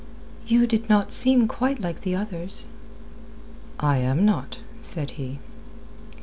"You did not seem quite like the others." "I am not," said he.